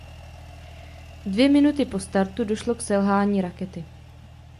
Dvě minuty po startu došlo k selhání rakety.